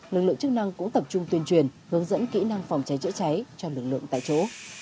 lực lượng chức năng cũng tập trung tuyên truyền hướng dẫn kỹ năng phòng cháy chữa cháy cho lực lượng tại chỗ